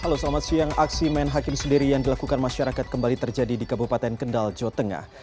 halo selamat siang aksi main hakim sendiri yang dilakukan masyarakat kembali terjadi di kabupaten kendal jawa tengah